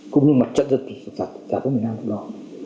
cũng như mặt trận rất rạp rạp với việt nam trong đó